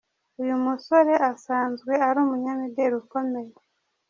Uyu musore asanzwe ari umunyamideli ukomeye.